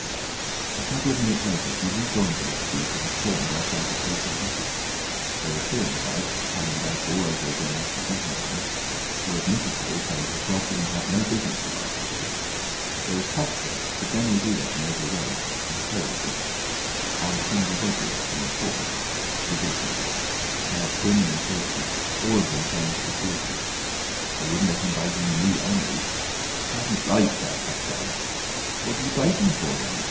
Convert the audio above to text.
A couple of minutes after, he rejoined the little group that had formed outside the "Coach and Horses." There was Fearenside telling about it all over again for the second time; there was Mrs. Hall saying his dog didn't have no business to bite her guests; there was Huxter, the general dealer from over the road, interrogative; and Sandy Wadgers from the forge, judicial; besides women and children, all of them saying fatuities: "Wouldn't let en bite me, I knows"; "'Tasn't right have such dargs"; "Whad 'e bite 'n for, then?"